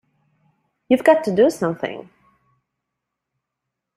You've got to do something!